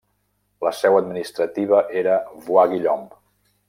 La seu administrativa era Bois-Guillaume.